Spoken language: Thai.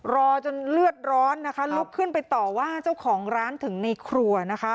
รอจนเลือดร้อนนะคะลุกขึ้นไปต่อว่าเจ้าของร้านถึงในครัวนะคะ